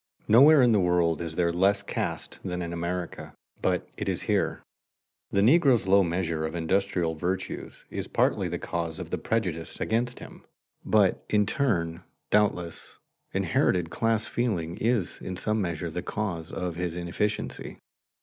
Nowhere in the world is there less caste than in America, but it is here. The negro's low measure of industrial virtues is partly the cause of the prejudice against him, but in turn doubtless inherited class feeling is in some measure the cause of his inefficiency.